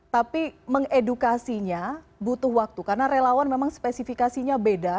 tapi mengedukasinya butuh waktu karena relawan memang spesifikasinya beda